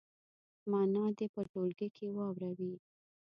معنا دې په ټولګي کې واوروي.